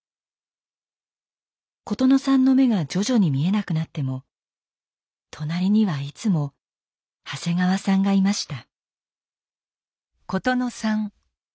琴乃さんの目が徐々に見えなくなっても隣にはいつも長谷川さんがいました。